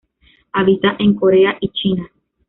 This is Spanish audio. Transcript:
Habita en Corea y China.